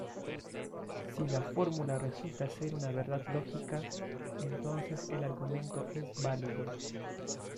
Si la fórmula resulta ser una verdad lógica, entonces el argumento es válido.